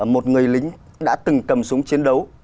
một người lính đã từng cầm súng chiến đấu